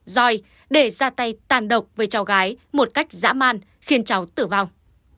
doi để ra tay tàn độc với cháu gái một cách dã man khiến cháu tử vong